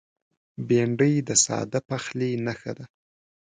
بېنډۍ د ساده پخلي نښه ده